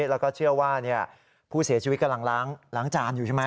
แล้วก็เชื่อว่าผู้เสียชีวิตกำลังล้างจานอยู่ใช่ไหม